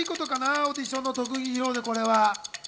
オーディションの特技披露で。